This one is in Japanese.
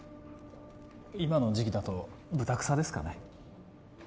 今の時期だとブタクサですかね